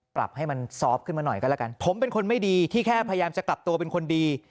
ปรับให้มันซอฟต์ขึ้นมาหน่อยก็แล้วกันผมเป็นคนไม่ดีที่แค่พยายามจะกลับตัวเป็นคนดี